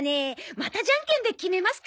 またじゃんけんで決めますか！